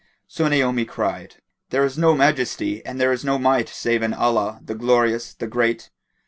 So Naomi cried, "There is no Majesty and there is no Might save in Allah, the Glorious, the Great!